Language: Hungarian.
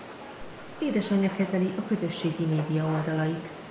Édesanyja kezeli a közösségi média oldalait.